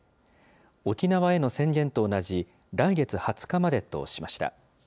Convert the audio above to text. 沖縄への宣言と同じ、来月２０日までとしました。